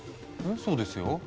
そうですよ。